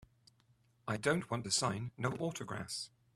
I don't wanta sign no autographs.